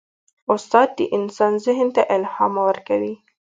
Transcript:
استاد د انسان ذهن ته الهام ورکوي.